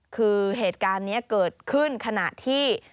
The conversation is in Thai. คือเหตุการณ์นี้เกิดขึ้นขณะที่